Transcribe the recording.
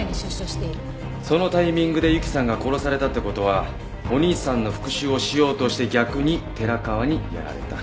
そのタイミングで由紀さんが殺されたって事はお兄さんの復讐をしようとして逆に寺川にやられた。